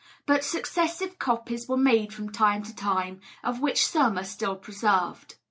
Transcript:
But successive copies were made from time to time, of which some are still preserved.